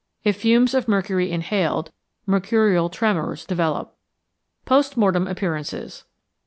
If fumes of mercury inhaled, mercurial tremors develop. _Post Mortem Appearances.